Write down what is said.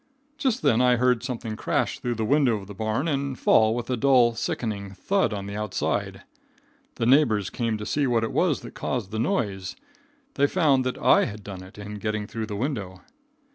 Just then I heard something crash through the window of the barn and fall with a dull, sickening thud on the outside. The neighbors came to see what it was that caused the noise. They found that I had done it in getting through the window.